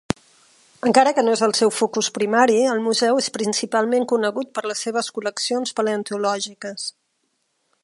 Encara que no és el seu focus primari, el museu es principalment conegut per les seves col·leccions paleontològiques.